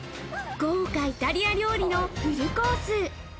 豪華イタリア料理のフルコース。